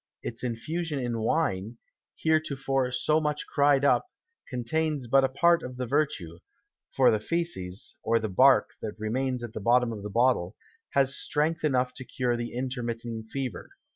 Its Infusion in Wine, heretofore so much cry'd up, contains but a part of the Vertue; for the Fæces, or the Bark that remains at the bottom of the Bottle, has Strength enough to cure the intermitting Fever.